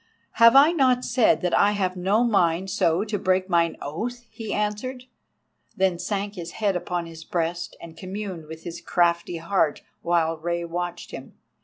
"Have I not said that I have no mind so to break mine oath?" he answered, then sank his head upon his breast and communed with his crafty heart while Rei watched him.